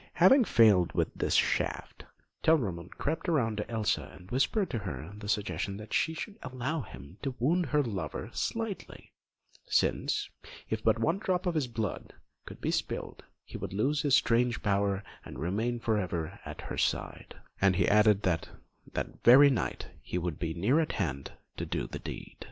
Having failed with this shaft, Telramund crept round to Elsa and whispered to her the suggestion that she should allow him to wound her lover slightly, since, if but one drop of his blood could be spilled, he would lose his strange power and remain for ever at her side; and he added that that very night he would be near at hand to do the deed.